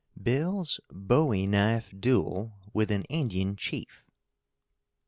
BILL'S BOWIE KNIFE DUEL WITH AN INDIAN CHIEF.